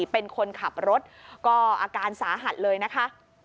เป็นคนขับรถก็อาการสาหัสเลยนะคะ